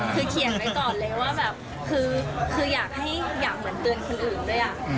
คือเขียนไว้ก่อนเลยว่าแบบคืออยากเหมือนเตือนคนอื่นด้วย